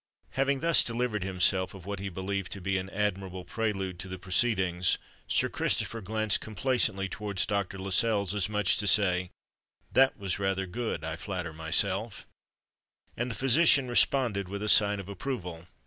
Having thus delivered himself of what he believed to be an admirable prelude to the proceedings, Sir Christopher glanced complacently towards Dr. Lascelles, as much as to say, "That was rather good, I flatter myself;" and the physician responded with a sign of approval.